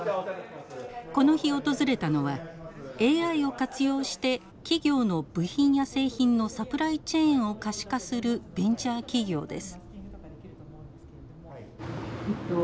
この日訪れたのはＡＩを活用して企業の部品や製品のサプライチェーンを可視化するベンチャー企業です。